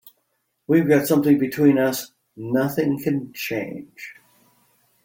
We've got something between us nothing can change.